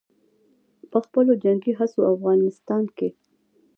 په خپلو جنګي هڅو او افغانستان کښې